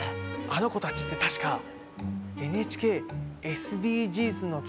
あの子たちって確かえねる！